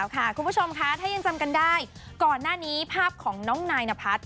ถ้ายังจำกันได้ก่อนหน้านี้ภาพของน้องนายนพรรดิ